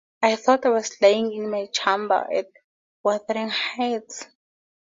I thought I was lying in my chamber at Wuthering Heights.